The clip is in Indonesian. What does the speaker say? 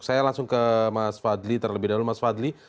saya langsung ke mas fadli terlebih dahulu mas fadli